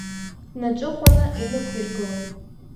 Днаҿыхәаны инықәиргылоит.